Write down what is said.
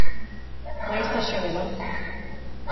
Ma jistax jagħmilha.